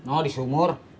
oh di sumur